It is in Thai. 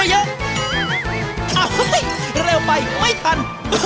อ้าวเว้ยเร็วไปไม่ทัน